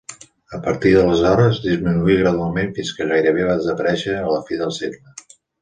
A partir d’aleshores, disminuí gradualment fins que gairebé va desaparèixer a la fi del segle.